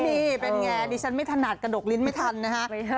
นี่เป็นไงดิฉันไม่ถนัดกระดกลิ้นไม่ทันนะฮะ